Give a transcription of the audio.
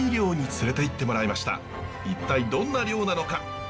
一体どんな漁なのか。